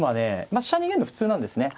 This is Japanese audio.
まあ飛車逃げるの普通なんですね。